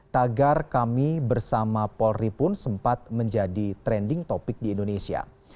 tagar kami bersama polri pun sempat menjadi trending topic di indonesia